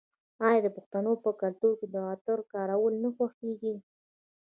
آیا د پښتنو په کلتور کې د عطرو کارول نه خوښیږي؟